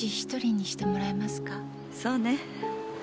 そうね。